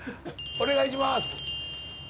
お願いします。